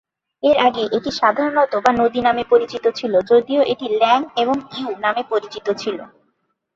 এর আগে এটি সাধারণত বা নদী নামে পরিচিত ছিল, যদিও এটি "ল্যাং" এবং "ইয়ু" নামেও পরিচিত ছিল।